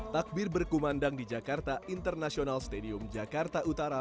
takbir berkumandang di jakarta international stadium jakarta utara